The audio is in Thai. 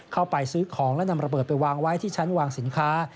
เข้าไปซื้อของและนำระเบิดไปวางไว้ที่ชั้นวางสินค้า